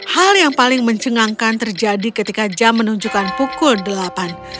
hal yang paling mencengangkan terjadi ketika jam menunjukkan pukul delapan